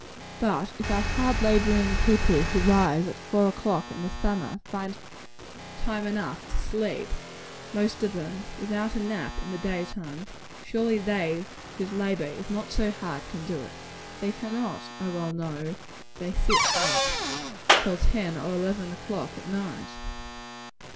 But if our hard laboring people who rise at four o'clock in the summer, find time enough to sleep most of them without a nap in the day time, surely they whose labor is not so hard, can do it. They cannot, I well know, if they sit up till ten or eleven o'clock at night.